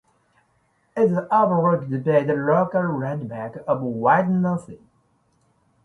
It is overlooked by the local landmark of White Nancy.